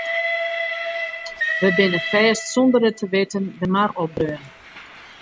We binne fêst sûnder it te witten de mar opdreaun.